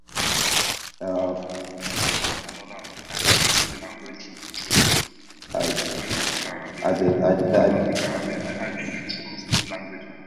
اس تحریک نے خواتین کو ان کے حقوق اور مواقع کے حوالے سے شعور